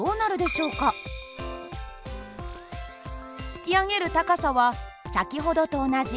引き上げる高さは先ほどと同じ０．１ｍ。